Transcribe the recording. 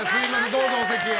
どうぞ、お席へ。